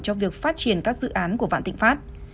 cho việc phát triển các dự án của vạn thịnh pháp